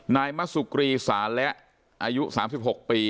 นายมะสุกรีสาและอายุ๓๖ปี